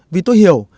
vì tôi hiểu